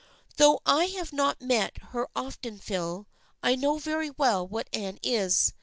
" Though I have not met her often, Phil, I know very well what Anne is.